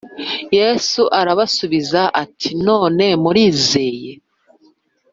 Yesu arabasubiza ati None murizeye